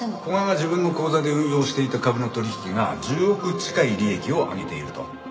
古賀が自分の口座で運用していた株の取引が１０億近い利益を上げていると。